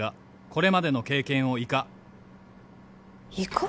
「これまでの経験を活か」「活か」？